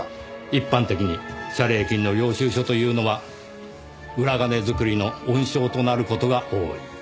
一般的に謝礼金の領収書というのは裏金作りの温床となる事が多い。